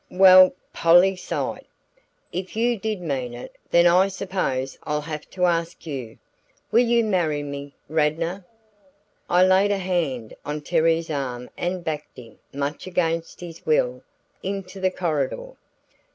"Well!" Polly sighed. "If you did mean it, then I suppose I'll have to ask you. Will you marry me, Radnor?" I laid a hand on Terry's arm and backed him, much against his will, into the corridor.